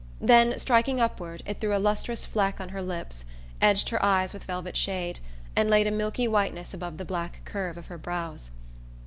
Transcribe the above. Then, striking upward, it threw a lustrous fleck on her lips, edged her eyes with velvet shade, and laid a milky whiteness above the black curve of her brows.